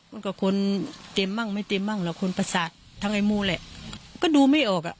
มันก็คนเต็มมั่งไม่เต็มมั่งหรอกคนประสาททั้งไอ้มูแหละก็ดูไม่ออกอ่ะ